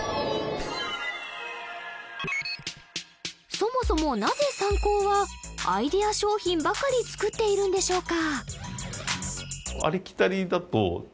そもそもなぜサンコーはアイデア商品ばかり作っているんでしょうか？